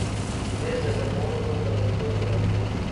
مېز د زده کوونکي تمرکز لوړوي.